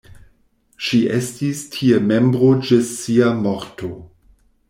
Ŝi estis tie membro ĝis sia morto.